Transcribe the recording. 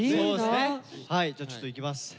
はいじゃあちょっといきます。